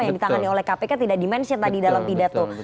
yang ditangani oleh kpk tidak dimention tadi dalam pidato